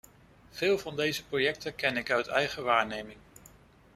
Veel van deze projecten ken ik uit eigen waarneming.